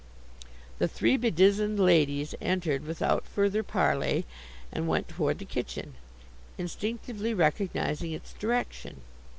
The three bedizened ladies entered without further parley and went toward the kitchen, instinctively recognizing its direction.